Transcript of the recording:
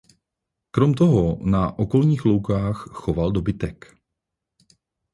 Krom toho na okolních loukách choval dobytek.